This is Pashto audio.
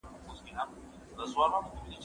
زه بايد جواب ورکړم!